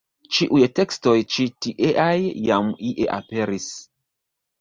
Ĉiuj tekstoj ĉi-tieaj jam ie aperis.